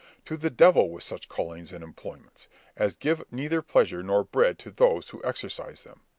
To the devil with such callings and employments, as give neither pleasure nor bread to those who exercise them!